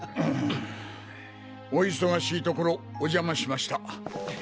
お忙しいところお邪魔しました。